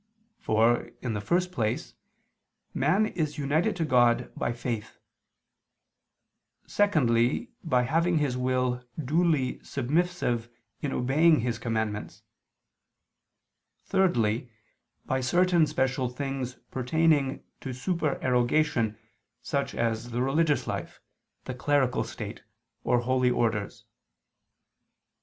For, in the first place, man is united to God by faith; secondly, by having his will duly submissive in obeying His commandments; thirdly, by certain special things pertaining to supererogation such as the religious life, the clerical state, or Holy Orders.